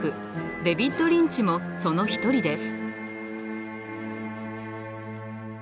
デヴィッド・リンチもその一人です。